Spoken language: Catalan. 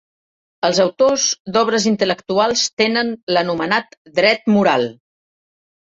Els autors d'obres intel·lectuals tenen l'anomenat dret moral.